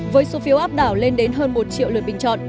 với số phiếu áp đảo lên đến hơn một triệu lượt bình chọn